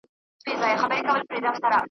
تورېدلي، ترهېدلي به مرغان وي .